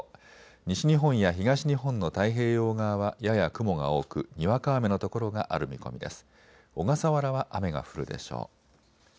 西日本や東日本の太平洋側はやや雲が多くにわか雨の所がある見込みです。